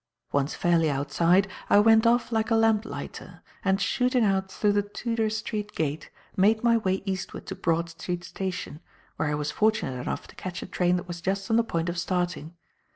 Once fairly outside, I went off like a lamplighter, and, shooting out through the Tudor Street gate, made my way eastward to Broad Street Station, where I was fortunate enough to catch a train that was just on the point of starting.